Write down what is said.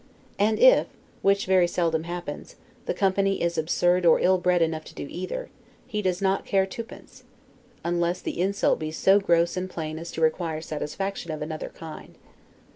And if (which very seldom happens) the company is absurd or ill bred enough to do either, he does not care twopence, unless the insult be so gross and plain as to require satisfaction of another kind.